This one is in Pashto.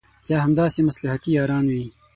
یا همداسې مصلحتي یاران وي.